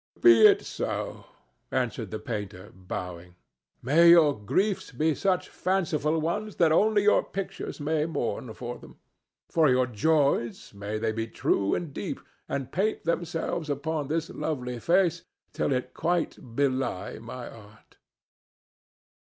"Be it so," answered the painter, bowing. "May your griefs be such fanciful ones that only your pictures may mourn for them! For your joys, may they be true and deep, and paint themselves upon this lovely face till it quite belie my art!"